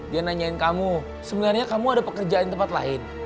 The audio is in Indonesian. dia nanyain kamu sebenarnya kamu ada pekerjaan tempat lain